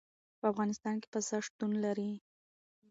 په افغانستان کې پسه شتون لري.